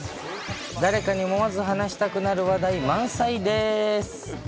誰かに思わず話したくなる話題満載です。